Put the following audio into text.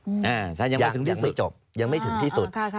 อืมอ่าท่านยังไม่ถึงที่สุดยังไม่จบยังไม่ถึงที่สุดค่ะค่ะ